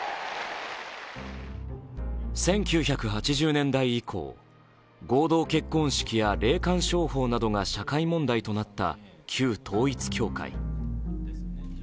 １９８０年代以降、合同結婚式や霊感商法などが社会問題となった旧統一教会。